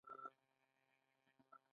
د شاه زمان لوی وزیر وفادار خان یادونه کړې.